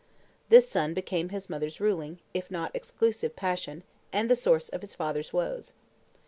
This son became his mother's ruling, if not exclusive, passion, and the source of his father's woes.